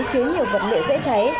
chứa nhiều vật liệu dễ cháy